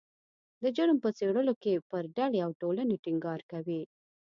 د جرم په څیړلو کې پر ډلې او ټولنې ټینګار کوي